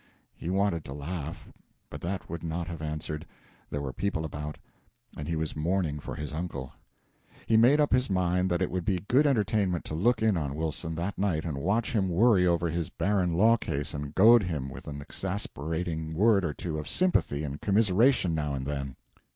'" He wanted to laugh, but that would not have answered; there were people about, and he was mourning for his uncle. He made up his mind that it would be good entertainment to look in on Wilson that night and watch him worry over his barren law case and goad him with an exasperating word or two of sympathy and commiseration now and then.